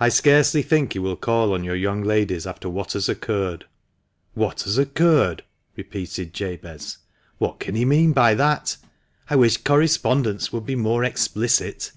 I scarcely think he will call on your young ladies after what has occurred!' "What has occurred?" repeated Jabez, "what can he mean by that ? I wish correspondents would be more explicit